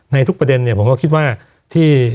ทุกประเด็นเนี่ยผมก็คิดว่าที่